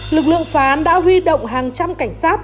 lực lượng phá án đã huy động hàng trăm cảnh sát